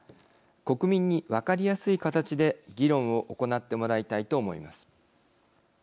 国民に分かりやすい形で議論を行ってもらいたいと思います。